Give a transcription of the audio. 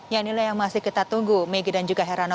ya inilah yang masih kita tunggu megi dan juga herano